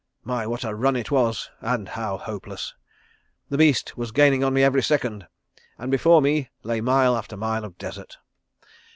My, what a run it was, and how hopeless. The beast was gaining on me every second, and before me lay mile after mile of desert.